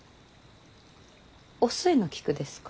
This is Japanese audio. お寿恵の菊ですか？